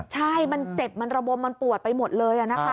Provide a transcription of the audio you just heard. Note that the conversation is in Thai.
ใช่มันเจ็บมันระบมมันปวดไปหมดเลย